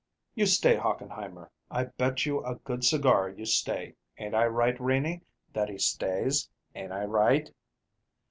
"You stay, Hochenheimer! I bet you a good cigar you stay. Ain't I right, Renie, that he stays? Ain't I right?"